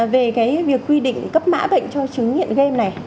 về cái việc quy định cấp mã bệnh cho chứng nghiện game này